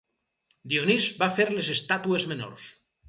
Dionís va fer les estàtues menors.